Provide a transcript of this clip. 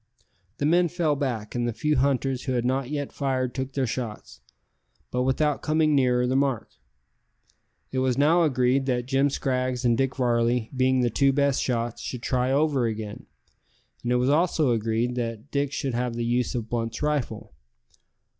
The men fell back, and the few hunters who had not yet fired took their shots, but without coming nearer the mark. It was now agreed that Jim Scraggs and Dick Varley, being the two best shots, should try over again, and it was also agreed that Dick should have the use of Blunt's rifle.